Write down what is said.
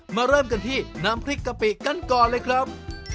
เริ่มกันที่น้ำพริกกะปิกันก่อนเลยครับ